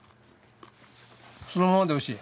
そのままでおいしい。